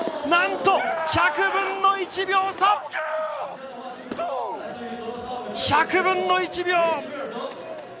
なんと、１００分の１秒差！１００分の１秒！